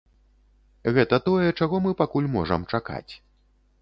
Гэта тое, чаго мы пакуль можам чакаць.